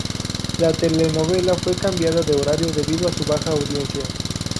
La telenovela fue cambiada de horario debido a su baja audiencia.